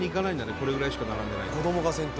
これぐらいしか並んでないと。